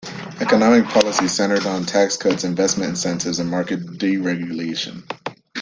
Economic policy centered on tax cuts, investment incentives and market deregulation.